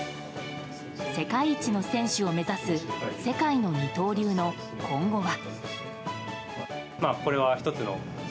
世界一の選手を目指す世界の二刀流の今後は。